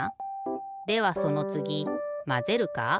ではそのつぎまぜるか？